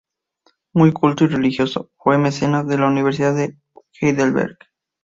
Muy culto y religioso, fue mecenas de la Universidad de Heidelberg.